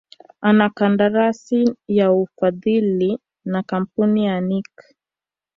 ana kandarasi ya ufadhili na kamapuni ya Nike